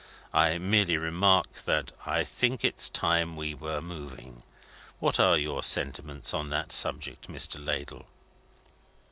I merely remark that I think it's time we were moving. What are your sentiments on that subject, Mr. Ladle?"